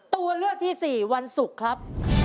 ตัวเลือกที่สี่วันศุกร์ครับ